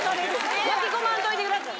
巻き込まんといてください。